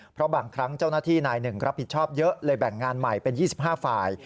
เพราะบางครั้งเจ้าหน้าที่นายหนึ่งรับผิดชอบเยอะเลยแบ่งงานใหม่เป็น๒๕ฝ่าย